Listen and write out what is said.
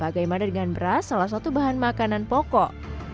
bagaimana dengan beras salah satu bahan makanan pokok